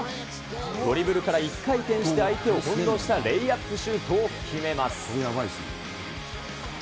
ドリブルから１回転して相手を翻弄したレイアップシュートを決めます。